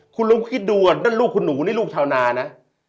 คุณลุงคิดดูนั่นลูกคุณหนูนี่ลูกชาวนานะ